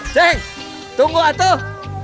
ceng tunggu atuh